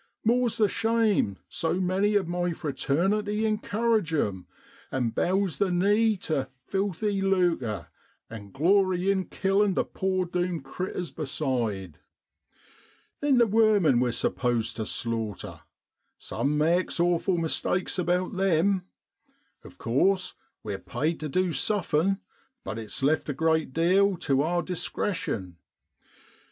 More's the shame so many of my fraternity encourage 'em, and bows the knee tu ' filthy lucre,' and glory in killin' the poor doomed critters beside. VVOMACK BROAD ' Then the ' wermin ' we're supposed tu slaughter. Some makes awful mistakes about them. Of course, we're paid tu du suffin', but it's left a great deal tu our dis cretion.